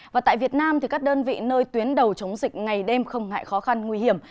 và tại việt nam các đơn vị nơi tuyến đầu chống dịch ngày đêm không ngại khó khăn nguy hiểm